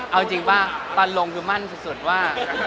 เอาจริงป่ะตอนลงคือมั่นสุดว่า